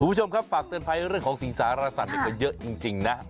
คุณผู้ชมครับฝากเตือนภัยเรื่องของสิงสารสัตว์ดีกว่าเยอะจริงนะ